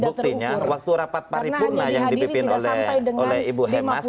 buktinya waktu rapat paripurna yang dipimpin oleh ibu hemas